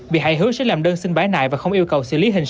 bị hại hứa sẽ làm đơn xin bái nại và không yêu cầu